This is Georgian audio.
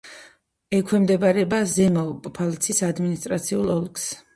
ექვემდებარება ზემო პფალცის ადმინისტრაციულ ოლქს.